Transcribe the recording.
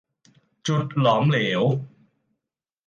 จุดหลอมเหลว